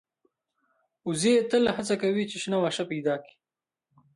وزې تل هڅه کوي چې شنه واښه پیدا کړي